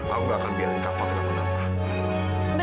aku gak akan biarkan kak fah kena penampak